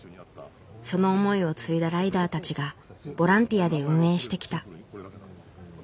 その思いを継いだライダーたちがボランティアで運営してきた。